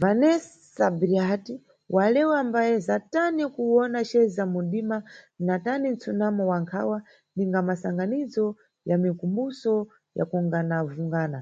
Vanessa Bryant walewa ambayeza tani kuwona ceza mumʼdima na tani "nsunamo wa nkhawa ni masanganizo ya mikumbuso ya kunganavungana".